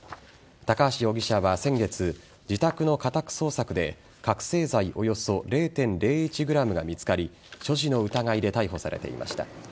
高橋容疑者は先月自宅の家宅捜索で覚醒剤およそ０．０１ｇが見つかり所持の疑いで逮捕されていました。